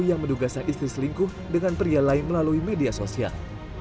yang menduga sang istri selingkuh dengan pria lain melalui media sosial